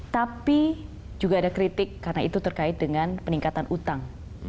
tapi juga ada kritik karena itu terkait dengan peningkatan utang